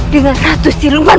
dengan ratu siluman